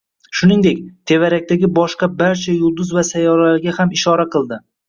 Shuningdek, tevarakdagi boshqa barcha yulduz va sayyoralarga ham ishora qildi.